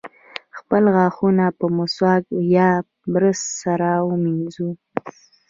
خپل غاښونه په مسواک یا برس سره مینځم.